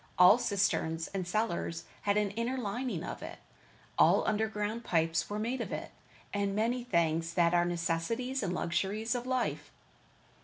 All cisterns and cellars had an inner lining of it. All underground pipes were made of it, and many things that are the necessities and luxuries of life.